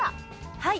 はい。